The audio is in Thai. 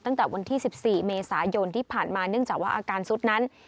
ตั้งแต่วันที่๑๔เมษายนที่ผ่านมาเนื่องจากว่าอาการสุดนั้น